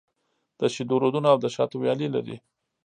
د شېدو رودونه او د شاتو ويالې لري.